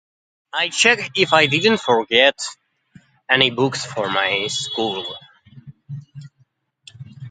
I check if I didn't forget any books for my school.